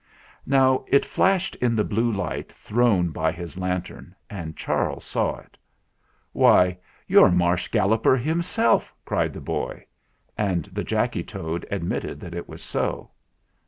Now it flashed in the blue light thrown by his lantern, and Charles saw it. "Why, you're Marsh Galloper himself!" cried the boy; and the Jacky Toad admitted that it was so.